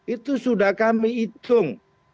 itu sudah kami hitung